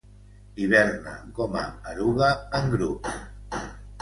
Hiberna com a eruga, en grups.